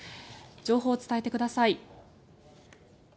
情報を伝えてください。